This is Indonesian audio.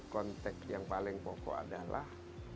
konteks yang paling pokok adalah